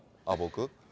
あ、僕？